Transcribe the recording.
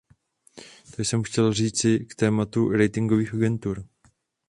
To jsem chtěl říct k tématu ratingových agentur.